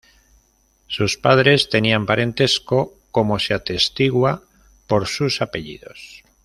Sus padres tenían parentesco, como se atestigua por sus apellidos.